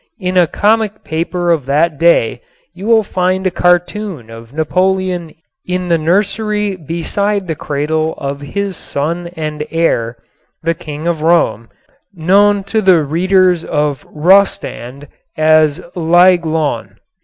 In a comic paper of that day you will find a cartoon of Napoleon in the nursery beside the cradle of his son and heir, the King of Rome known to the readers of Rostand as l'Aiglon.